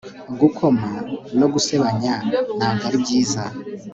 Gukoma no gusebanyanyago ari byiza